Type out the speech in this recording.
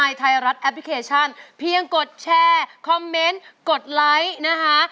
ไทยรัฐแอปพลิเคชันเพียงกดแชร์คอมเมนต์กดไลค์นะคะ